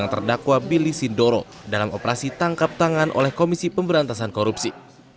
terdakwa billy sindoro dalam operasi tangkap tangan oleh komisi pemberantasan korupsi